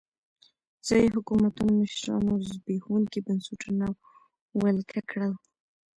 ځايي حکومتونو مشرانو زبېښونکي بنسټونه ولکه کړل.